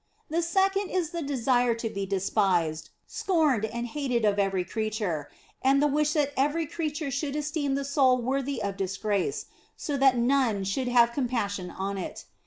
The second is the desire to be despised, scorned, and hated of every creature, and the wish that every creature 144 THE BLESSED ANGELA should esteem the soul worthy of disgrace, so that none should have compassion on it.